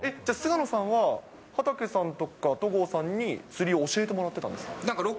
菅野さんは畠さんとか戸郷さんに、釣りを教えてもらってたんですか。